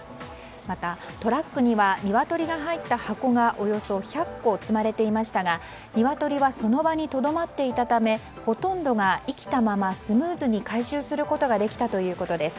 また、トラックにはニワトリが入った箱がおよそ１００個積まれていましたがニワトリはその場にとどまっていたためほとんどが生きたままスムーズに回収することができたということです。